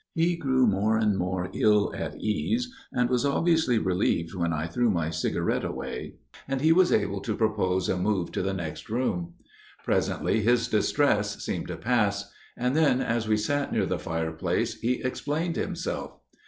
He grew more and more ill at ease, and was obviously relieved when I threw my cigarette away and he was able to propose a move to the next room. Presently his distress seemed to pass; and then, as we sat near the fireplace, he explained himself.